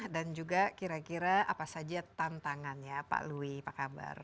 dan juga kira kira apa saja tantangannya pak lui pak kabar